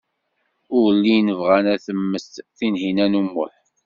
Ur llin bɣan ad temmet Tinhinan u Muḥ.